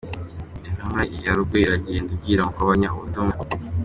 Intumwa ya Rugwe iragenda ibwira Mukobanya ubutumwa.